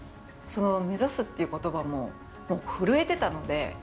その目指すっていうことばも、もう震えてたので。